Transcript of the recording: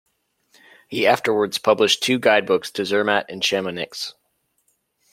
He afterwards published two guide books to Zermatt and Chamonix.